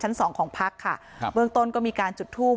สองของพักค่ะครับเบื้องต้นก็มีการจุดทูบ